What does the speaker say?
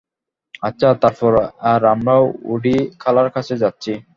আচ্ছা, তারপর, আর আমরা ওডি খালার কাছে যাচ্ছি।